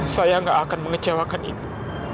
saya gak akan mengecewakan ibu